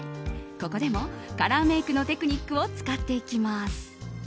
ここでもカラーメイクのテクニックを使っていきます。